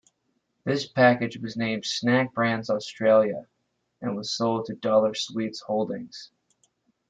This package was named 'Snack Brands Australia' and was sold to Dollar Sweets Holdings.